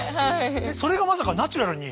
それがまさかナチュラルに。